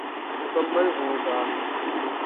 مکمل ہو گا۔